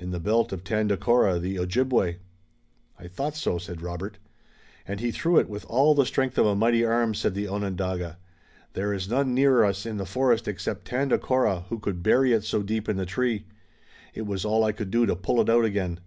"In the belt of Tandakora, the Ojibway." "I thought so," said Robert. "And he threw it with all the strength of a mighty arm," said the Onondaga. "There is none near us in the forest except Tandakora who could bury it so deep in the tree. It was all I could do to pull it out again."